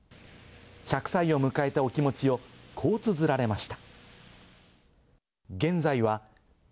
１００歳を迎えたお気持ちをこう綴られました。